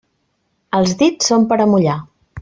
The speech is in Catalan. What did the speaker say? Els dits són per a mullar.